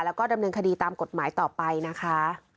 แล้วก็ดำเนินคดีตามกฎหมายต่อไปนะคะ